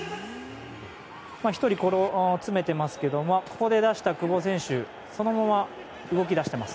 １人詰めてますけどもここで出した久保選手そのまま動き出しています。